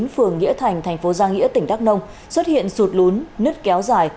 phường nghĩa thành thành phố giang nghĩa tỉnh đắk nông xuất hiện sụt lún nứt kéo dài